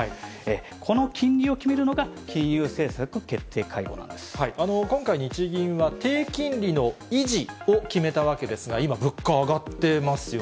この金利を決めるのが、今回、日銀は低金利の維持を決めたわけですが、今、物価上がってますよ